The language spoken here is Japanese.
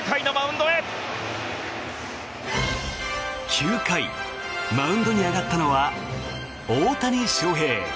９回、マウンドに上がったのは大谷翔平。